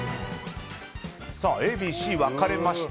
Ａ、Ｂ、Ｃ、分かれました。